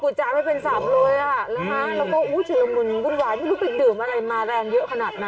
กูจะไม่เป็นทรัพย์เลยอ่ะแล้วฮะแล้วก็อู้ชื่อละมุนวุ่นวายไม่รู้ไปดื่มอะไรมาแรงเยอะขนาดนั้น